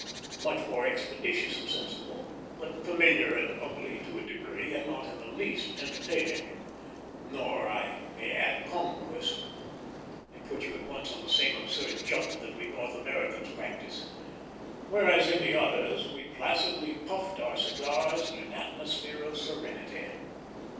Much more expeditious and sensible, but familiar and ugly to a degree, and not in the least entertaining; nor, I may add, congruous. They put you at once on the same absurd "jump" that we North Americans practise; whereas in the others we placidly puffed our cigars in an atmosphere of serenity.